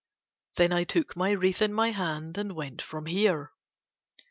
Then I took my wreath in my hand and went from here.